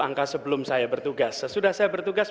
angka sebelum saya bertugas sesudah saya bertugas